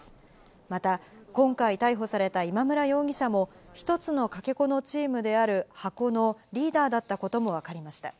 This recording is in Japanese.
また、今回逮捕された今村容疑者も、一つのかけ子のチームである箱のリーダーだったことも分かりました。